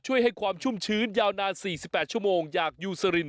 ให้ความชุ่มชื้นยาวนาน๔๘ชั่วโมงจากยูสริน